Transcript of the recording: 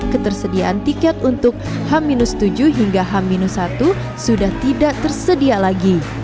ketersediaan tiket untuk h tujuh hingga h satu sudah tidak tersedia lagi